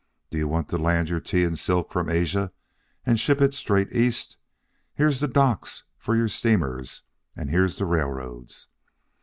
Do you want to land your tea and silk from Asia and ship it straight East? Here's the docks for your steamers, and here's the railroads.